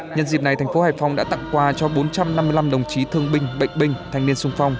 nhân dịp này thành phố hải phòng đã tặng quà cho bốn trăm năm mươi năm đồng chí thương binh bệnh binh thanh niên sung phong